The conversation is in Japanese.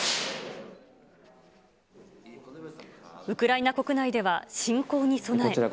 ウクライナ国内では、侵攻に備え。